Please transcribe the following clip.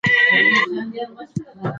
د ماشوم تعلیم ټولنیزې ستونزې راکموي.